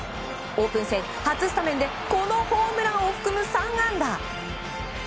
オープン戦、初スタメンでこのホームランを含む３安打。